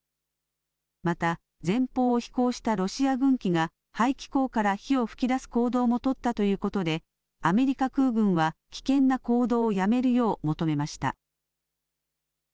また前方を飛行したロシア軍機が排気口から火を噴き出す行動も取ったということでアメリカ空軍は危険な行動をやめるよう求めました。